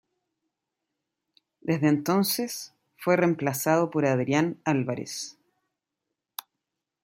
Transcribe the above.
Desde entonces, fue reemplazado por Adrián Álvarez.